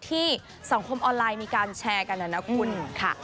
ที่สังคมออนไลน์มีการแชร์กันนะนะคุณค่ะ